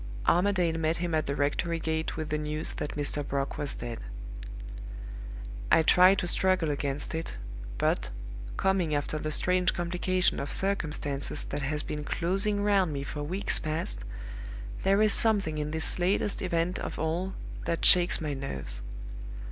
Armadale met him at the rectory gate with the news that Mr. Brock was dead. "I try to struggle against it, but, coming after the strange complication of circumstances that has been closing round me for weeks past, there is something in this latest event of all that shakes my nerves.